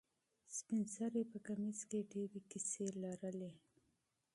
سپین سرې په کمیس کې ډېرې کیسې لرلې.